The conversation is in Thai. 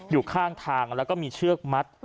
อยู่ข้างทางแล้วก็มีเชือกมัด